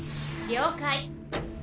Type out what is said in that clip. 「了解」。